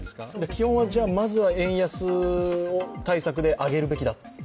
基本的まずは円安対策で上げるべきだと？